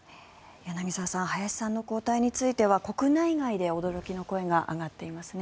柳澤さん林さんの交代については国内外で驚きの声が上がっていますね。